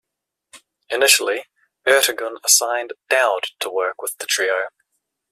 Initially, Ertegun assigned Dowd to work with the trio.